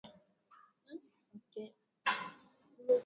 Ametuinua tukae naye